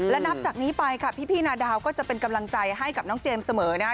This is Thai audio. และนับจากนี้ไปค่ะพี่นาดาวก็จะเป็นกำลังใจให้กับน้องเจมส์เสมอนะคะ